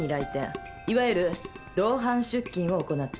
いわゆる同伴出勤を行った。